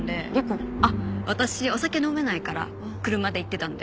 あっ私お酒飲めないから車で行ってたんで。